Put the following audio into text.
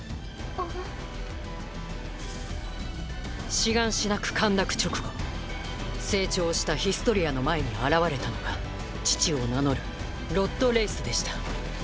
シガンシナ区陥落直後成長したヒストリアの前に現れたのが父を名乗るロッド・レイスでした。